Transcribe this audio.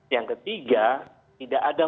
yang ketiga tidak ada